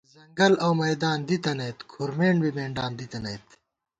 ځنگل اؤمیدان دِتَنَئیت کُھرمېنڈ بی مېنڈان دِتَنَئیت